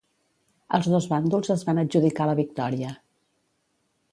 Els dos bàndols es van adjudicar la victòria.